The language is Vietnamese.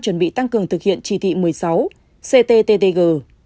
chuẩn bị tăng cường thực hiện chỉ thị một mươi sáu cttg